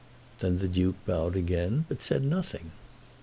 Then the Duke bowed again, but said nothing.